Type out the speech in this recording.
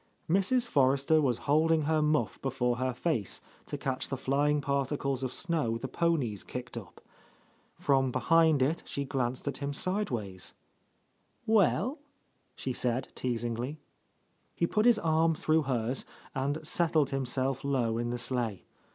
Mrs. Forrester was holding her muff before her face, to catch the flying particles of snow the ponies kicked up. From behind it she glanced at him sidewise. "Well?" she said teasingly. He put his arm through hers and settled him self low in the sleigh.